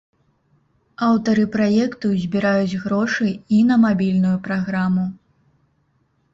Аўтары праекту збіраюць грошы і на мабільную праграму.